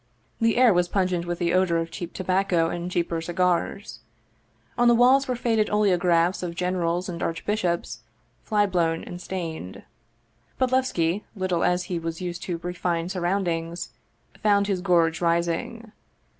The air was pungent with the odor of cheap tobacco and cheaper cigars. On the walls were faded oleographs of generals and arch bishops, flyblown and stained. Bodlevski, little as he was used to refined surroundings, found his gorge rising.